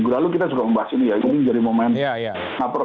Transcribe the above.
minggu lalu kita juga membahas ini ya ini menjadi momentum